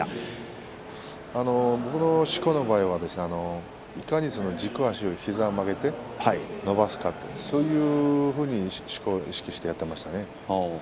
僕のしこの場合は軸足の膝を曲げていかに伸ばすかとそういうことを意識してしこをやっていましたね。